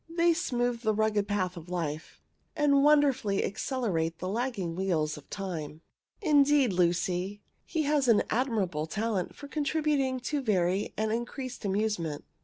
They smooth the rugged path of life, and wonderfully accelerate the lagging wheels of time. Indeed, Lucy, he has an admirable talent for contributing to vary and increase amusement.